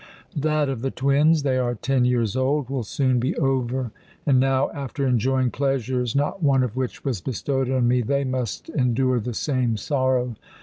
That of the twins they are ten years old will soon be over and now, after enjoying pleasures not one of which was bestowed on me, they must endure the same sorrow.